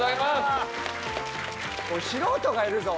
おい素人がいるぞ！